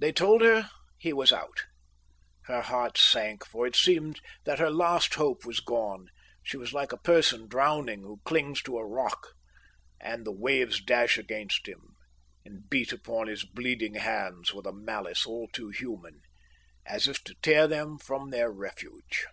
They told her he was out. Her heart sank, for it seemed that her last hope was gone. She was like a person drowning, who clings to a rock; and the waves dash against him, and beat upon his bleeding hands with a malice all too human, as if to tear them from their refuge.